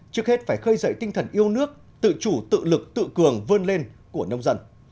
trước hết phải khơi dậy tinh thần yêu nước tự chủ tự lực tự cường vươn lên của nông dân